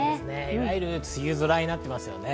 いわゆる梅雨空になっています。